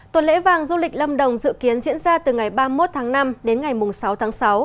tuần lễ vàng du lịch lâm đồng dự kiến diễn ra từ ngày ba mươi một tháng năm đến ngày sáu tháng sáu